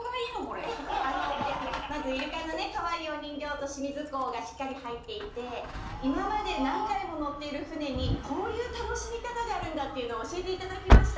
あのまずイルカのねかわいいお人形と清水港がしっかり入っていて今まで何回も乗っている船にこういう楽しみ方があるんだっていうのを教えて頂きました。